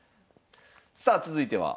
さあ続いては。